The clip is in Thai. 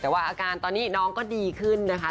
แต่ว่าอาการตอนนี้น้องก็ดีขึ้นนะคะ